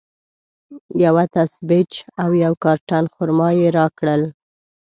یوه تسبیج او یو کارټن خرما یې راکړل.